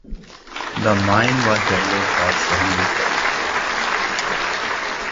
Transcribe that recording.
The mine was developed by Samuel Gebo.